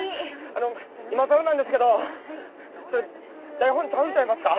あの今更なんですけどそれ台本ちゃうんちゃいますか？